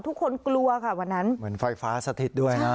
กลัวค่ะวันนั้นเหมือนไฟฟ้าสถิตด้วยนะ